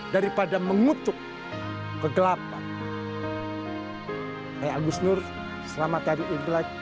dari politik yang ingin menutupi masalah kita